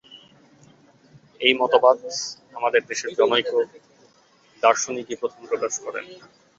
এই মতবাদ আমাদের দেশের জনৈক দার্শনিকই প্রথম প্রকাশ করেন।